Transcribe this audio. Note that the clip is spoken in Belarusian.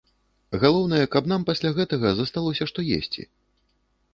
Галоўнае, каб нам пасля гэтага засталося, што есці.